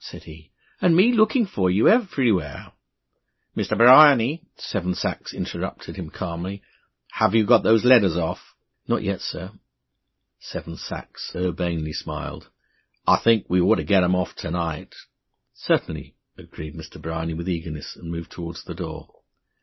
said he, "and me looked for you everywhere " "Mr. Bryany," Seven Sachs interrupted him calmly, "have you got those letters off?" "Not yet, sir." Seven Sachs urbanely smiled. "I think we ought to get them off to night." "Certainly," agreed Mr. Bryany with eagerness, and moved towards the door.